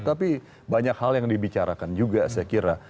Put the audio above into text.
tapi banyak hal yang dibicarakan juga saya kira